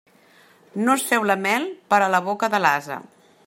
No es féu la mel per a la boca de l'ase.